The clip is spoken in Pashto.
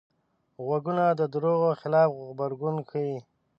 غوږونه د دروغو خلاف غبرګون ښيي